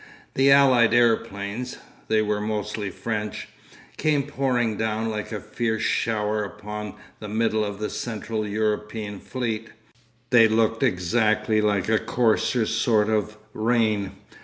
The allied aeroplanes—they were mostly French—came pouring down like a fierce shower upon the middle of the Central European fleet. They looked exactly like a coarser sort of rain.